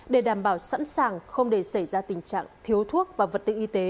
để đảm bảo sẵn sàng không để xảy ra tình trạng thiếu thuốc và vật tư y tế